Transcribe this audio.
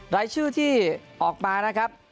รายชื่อที่ออกมานะครับ